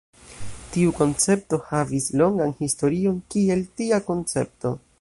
Tiu koncepto havis longan historion kiel tia koncepto.